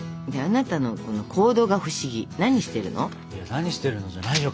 何してるのじゃないよ